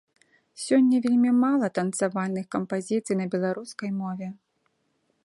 Сёння вельмі мала танцавальных кампазіцый на беларускай мове.